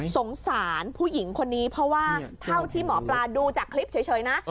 สงสารผู้หญิงคนนี้เพราะว่าเท่าที่หมอปลาดูจากคลิปเฉยนะ